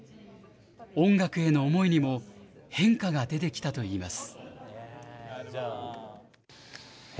音楽への思いにも変化が出てきたといいます。